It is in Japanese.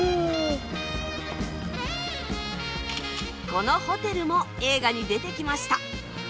このホテルも映画に出てきました。